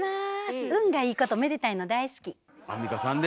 運がいいことめでたいの大好き。